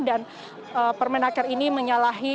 dan permenaker ini menyalahi